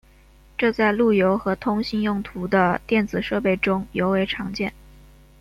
这在路由和通信用途的电子设备中尤为常见。